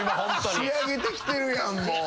仕上げてきてるやんもう。